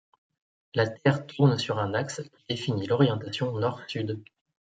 La terre tourne sur un axe qui définit l'orientation Nord-Sud.